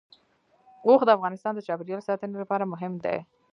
اوښ د افغانستان د چاپیریال ساتنې لپاره مهم دي.